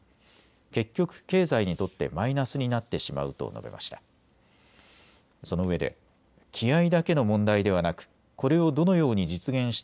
結局、経済にとってマイナスになってしまうと述べました。